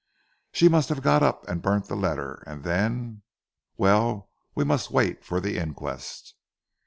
Humph! She must have got up and burnt the letter, and then Well, we must wait for the inquest."